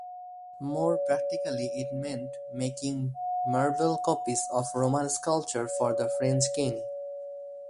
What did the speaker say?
More practically it meant making marble copies of Roman sculpture for the French king.